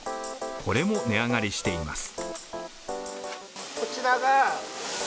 これも値上がりしています。